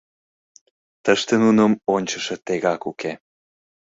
Тыште нуным ончышо тегак уке.